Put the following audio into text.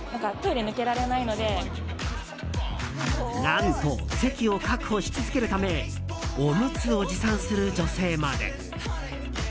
何と、席を確保し続けるためおむつを持参する女性まで。